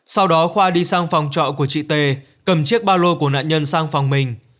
sau đó khoa đi sang phòng trọ của chị t cầm chiếc ba lô của nạn nhân sang phòng mình